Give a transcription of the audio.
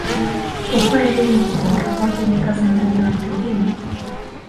ukweli kufikika kwake ni kazi ngumu na pengine